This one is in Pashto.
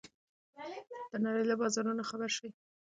د نړۍ له بازارونو خبر شئ.